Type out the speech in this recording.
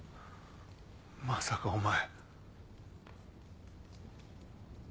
まさかお前。